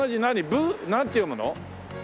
ぶなんて読むの？